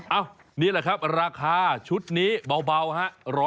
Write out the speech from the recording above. นี่แหละครับราคาชุดนี้เบาฮะ